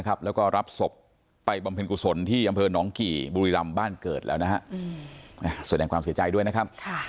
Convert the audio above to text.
ก็ถอบเผลอแรงในตัวต่ำ